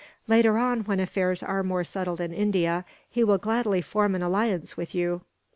Later on, when affairs are more settled in India, he will gladly form an alliance with you.